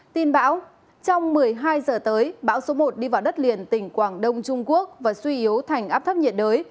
tin bão trong một mươi hai giờ tới bão số một đi vào đất liền tỉnh quảng đông trung quốc và suy yếu thành áp thấp nhiệt đới